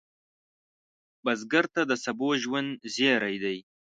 بزګر ته د سبو ژوند زېری دی